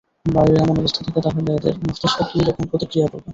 বাইরে এমন অবস্থা দেখে, তাহলে ওদের মস্তিষ্কে কি রকম প্রতিক্রিয়া পড়বে?